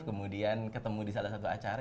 kemudian ketemu di salah satu acara